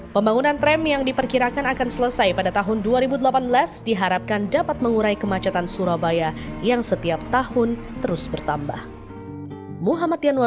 pembangunan tram yang diperkirakan akan selesai pada tahun dua ribu delapan belas diharapkan dapat mengurai kemacetan surabaya yang setiap tahun terus bertambah